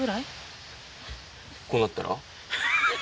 こうなったら？